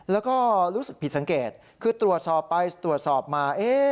แล้วก็รู้สึกผิดสังเกตคือตรวจสอบไปตรวจสอบมา